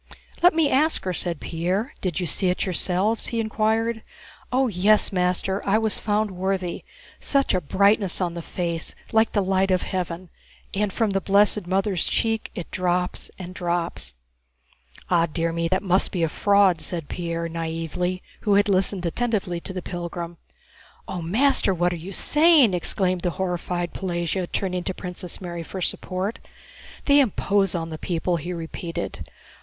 "Let me ask her," said Pierre. "Did you see it yourselves?" he inquired. "Oh, yes, master, I was found worthy. Such a brightness on the face like the light of heaven, and from the blessed Mother's cheek it drops and drops...." "But, dear me, that must be a fraud!" said Pierre, naïvely, who had listened attentively to the pilgrim. "Oh, master, what are you saying?" exclaimed the horrified Pelagéya, turning to Princess Mary for support. "They impose on the people," he repeated.